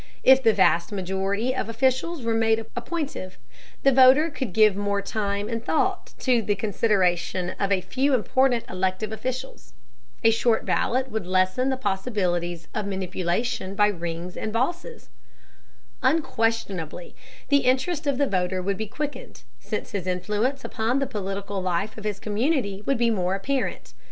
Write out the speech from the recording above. If the vast majority of officials were made appointive, the voter could give more time and thought to the consideration of a few important elective officials. A short ballot would lessen the possibilities of manipulation by rings and bosses. Unquestionably the interest of the voter would be quickened, since his influence upon the political life of his community would be more apparent.